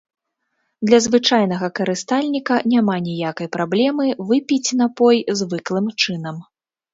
Для звычайнага карыстальніка няма ніякай праблемы выпіць напой звыклым чынам.